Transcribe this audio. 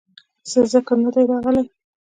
څۀ ذکر نۀ دے راغلے